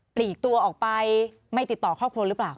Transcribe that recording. ลีกตัวออกไปไม่ติดต่อครอบครัวหรือเปล่า